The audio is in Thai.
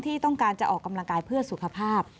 ที่ต้องการจะออกกำลังกายเพื่อสุขภาพ